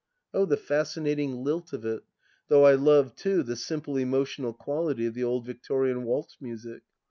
Oh, the fascinating lilt of it ! though I loved, too, the simple emotional quality of the old Victorian waltz music.